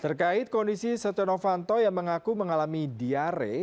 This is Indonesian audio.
terkait kondisi setenovanto yang mengaku mengalami diare